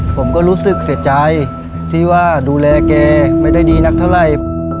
ผมก็รู้สึกเสียใจที่ว่าดูแลแกไม่ได้ดีนักเท่าไหร่